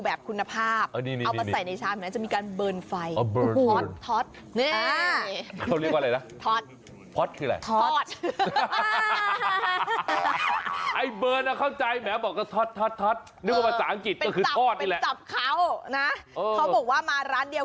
เห็นนะข้าวซอยเนื้อวากิว